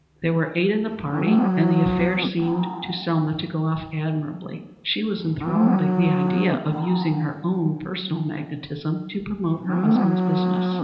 There were eight in the party, and the affair seemed to Selma to go off admirably. She was enthralled by the idea of using her own personal magnetism to promote her husband's business.